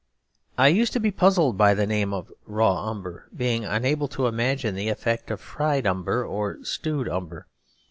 I used to be puzzled by the name of 'raw umber,' being unable to imagine the effect of fried umber or stewed umber.